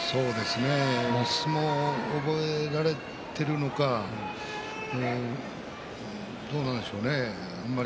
相撲を覚えられているのかどうなんでしょうね